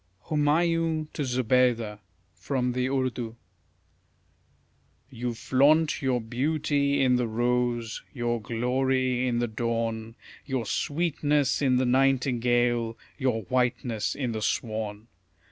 HUMAYUN TO ZOBEIDA (From the Urdu) You flaunt your beauty in the rose, your glory in the dawn, Your sweetness in the nightingale, your whiteness in the swan.